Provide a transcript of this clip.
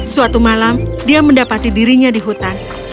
suatu malam dia mendapati dirinya di hutan